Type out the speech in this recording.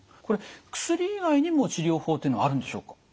これ薬以外にも治療法っていうのはあるんでしょうか？